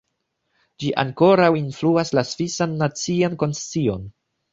Ĝi ankoraŭ influas la svisan nacian konscion.